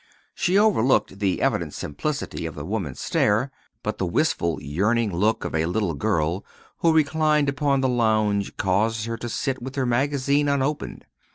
She overlooked the evident simplicity of the woman's stare; but the wistful, yearning look of a little girl who reclined upon the lounge caused her to sit with her magazine unopened.